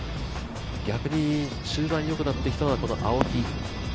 逆に終盤よくなってきたのがこの青木。